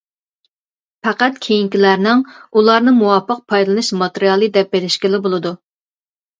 پەقەت كېيىنكىلەرنىڭ ئۇلارنى مۇۋاپىق پايدىلىنىش ماتېرىيالى دەپ بىلىشكىلا بولىدۇ.